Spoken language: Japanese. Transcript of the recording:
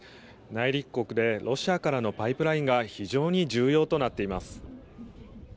内陸国でロシアからのパイプラインが非常に重要となっています。